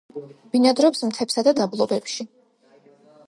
ბინადრობს მთებსა და დაბლობებში.